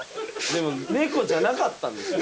でもネコじゃなかったんです。